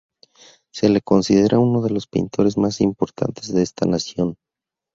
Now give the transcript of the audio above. Se le considera uno de los pintores más importantes de esta nación.